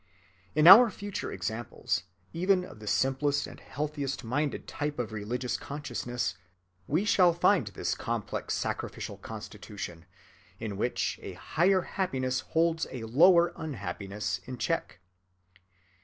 In our future examples, even of the simplest and healthiest‐minded type of religious consciousness, we shall find this complex sacrificial constitution, in which a higher happiness holds a lower unhappiness in check.